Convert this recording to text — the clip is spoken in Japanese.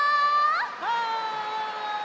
はい！